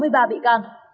sáu mươi ba bị can